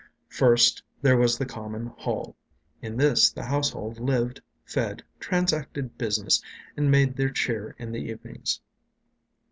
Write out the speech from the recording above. First, there was the common hall; in this the household lived, fed, transacted business, and made their cheer in the evenings.